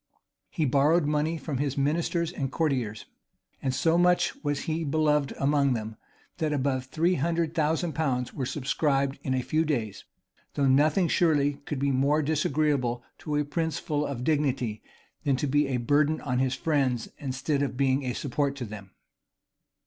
[] He borrowed money from his ministers and courtiers; and so much was he beloved among them, that above three hundred thousand pounds were subscribed in a few days; though nothing surely could be more disagreeable to a prince full of dignity, than to be a burden on his friends instead of being a support to them.